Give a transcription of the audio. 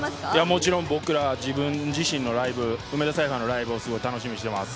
もちろん僕ら自分自身のライブ、梅田サイファーのライブをすごい楽しみにしています。